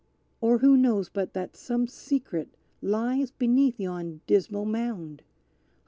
"Or who knows but that some secret lies beneath yon dismal mound?